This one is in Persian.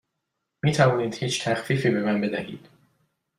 می توانید هیچ تخفیفی به من بدهید؟